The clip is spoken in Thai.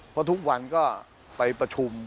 เพราะทุกวันก็ไปประชุม